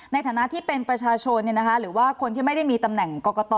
ในฐานะที่เป็นประชาชนหรือว่าคนที่ไม่ได้มีตำแหน่งกรกต